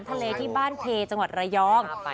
ที่บ้านเพจังหวัดระยอง